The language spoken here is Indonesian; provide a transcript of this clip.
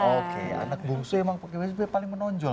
oke anak bungsu emang paling menonjol